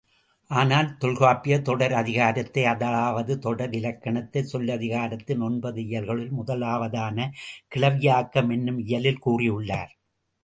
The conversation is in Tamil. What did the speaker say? ஆனால், தொல்காப்பியர் தொடரதிகாரத்தை அதாவது தொடரிலக்கணத்தை, சொல்லதிகாரத்தின் ஒன்பது இயல்களுள் முதலாவதான கிளவியாக்கம் என்னும் இயலுள் கூறியுள்ளார்.